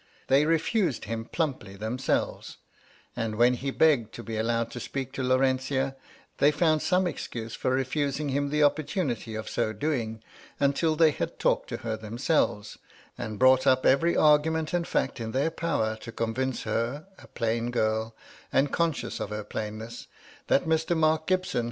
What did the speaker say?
They refused him plumply them selves, and when he begged to be allowed to speak to Laurentia, they found some excuse for refusing him the opportunity of so doing, until they had talked to her themselves, and brought up every argument and fact in their power to convince her— a plain girl, and conscious of her plainness—that Mr. Mark Gibson MT LADY LUDLOW.